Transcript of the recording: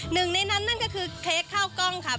หนึ่งในนั้นนั่นก็คือเค้กข้าวกล้องครับ